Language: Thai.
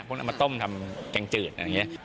พวกนั้นเอามาต้มทำแกงจืดอย่างนี้